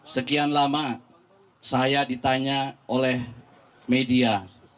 sekian lama saya ditanya oleh media